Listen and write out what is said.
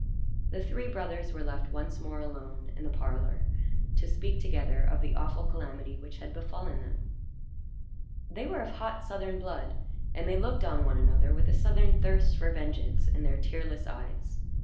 The three brothers were left once more alone in the parlor, to speak together of the awful calamity which had befallen them. They were of hot Southern blood, and they looked on one another with a Southern thirst for vengeance in their tearless eyes.